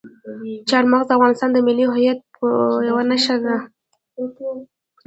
چار مغز د افغانستان د ملي هویت یوه نښه ده.